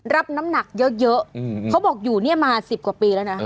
รับน้ำหนักเยอะเขาบอกอยู่เนี่ยมา๑๐กว่าปีแล้วนะ